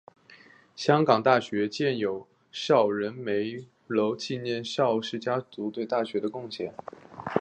香港大学建有邵仁枚楼纪念邵氏家族对大学的捐献。